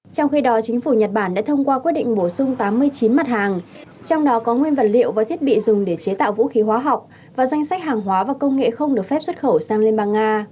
trong khi đó chính phủ nhật bản đã thông qua quyết định bổ sung tám mươi chín mặt hàng trong đó có nguyên vật liệu và thiết bị dùng để chế tạo vũ khí hóa học và danh sách hàng hóa và công nghệ không được phép xuất khẩu sang liên bang nga